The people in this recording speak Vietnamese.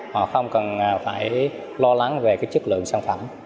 họ không cần phải lo lắng về cái chất lượng sản phẩm